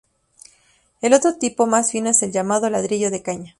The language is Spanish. El otro tipo, más fino, es el llamado "ladrillo de caña".